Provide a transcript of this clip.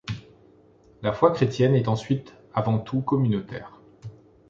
La foi chrétienne est ensuite avant tout communautaire.